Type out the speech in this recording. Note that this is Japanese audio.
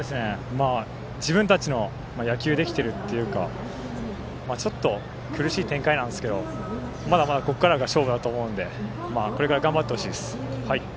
自分たちの野球ができているっていうか、ちょっと苦しい展開なんですけどまだまだ、ここからが勝負だと思うんでこれから頑張ってほしいです。